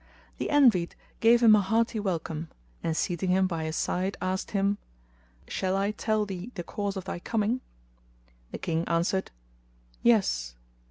The Envied gave him a hearty welcome, and seating him by his side asked him, "Shall I tell thee the cause of thy coming?" The King answered, "Yes."